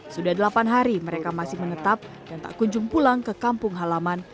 sudah delapan hari mereka masih menetap dan tak kunjung pulang ke kampung halaman